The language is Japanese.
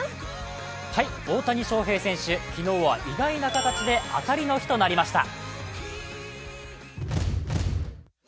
大谷翔平選手、昨日は意外な形で当たりの日となりました。